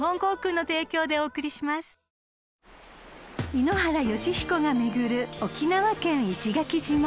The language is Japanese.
［井ノ原快彦が巡る沖縄県石垣島］